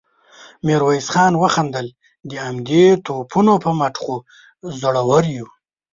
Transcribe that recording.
ميرويس خان وخندل: د همدې توپونو په مټ خو زړور يو.